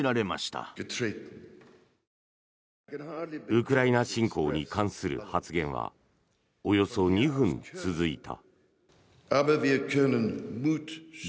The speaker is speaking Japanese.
ウクライナ侵攻に関する発言はおよそ２分続いた。